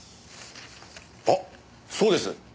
あっそうです。